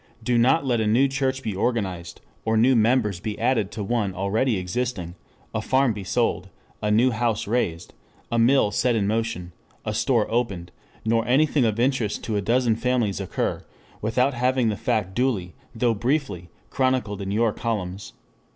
Do not let a new church be organized, or new members be added to one already existing, a farm be sold, a new house raised, a mill set in motion, a store opened, nor anything of interest to a dozen families occur, without having the fact duly, though briefly, chronicled in your columns.